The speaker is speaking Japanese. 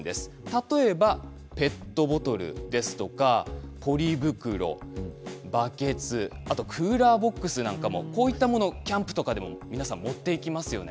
例えばペットボトルですとかポリ袋、バケツ、あとクーラーボックスなんかもキャンプなどで持っていきますよね。